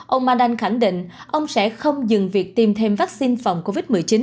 ông mandan khẳng định ông sẽ không dừng việc tiêm thêm vaccine phòng covid một mươi chín